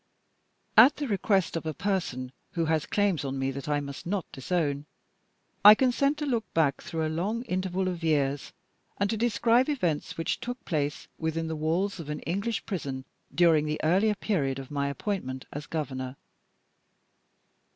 At the request of a person who has claims on me that I must not disown, I consent to look back through a long interval of years and to describe events which took place within the walls of an English prison during the earlier period of my appointment as Governor.